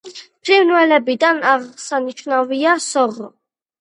ფრინველებიდან აღსანიშნავია სოღო.